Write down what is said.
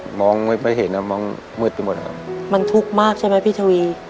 มองไม่ค่อยเห็นอ่ะมองมืดไปหมดครับมันทุกข์มากใช่ไหมพี่ทวี